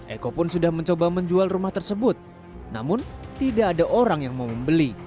eko pun sudah mencoba menjual rumah tersebut namun tidak ada orang yang mau membeli